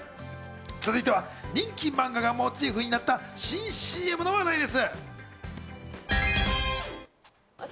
続いては人気マンガがモチーフになった新ＣＭの話題です。